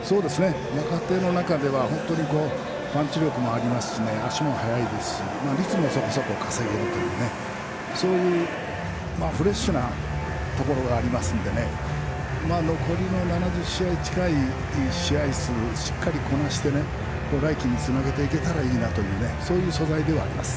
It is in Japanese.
若手の中ではパンチ力もありますし足も速いですし率もそこそこ稼げるというそういうフレッシュなところがありますので残りの７０試合近いしっかりこなして来期につなげていけたらいいなとそういう素材ではあります。